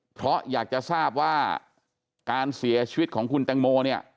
เพราะอยากจะทราบว่าการเสียชีวิตของคุณแตงโมเนี่ย